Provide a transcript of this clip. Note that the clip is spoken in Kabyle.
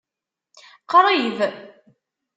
Qṛib.